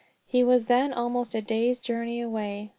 He was then almost a day's journey away.